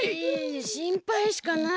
しんぱいしかない。